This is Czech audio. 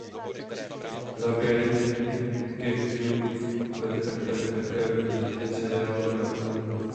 Záběry Kirkjufellu byly také využity v seriálu "Hra o trůny".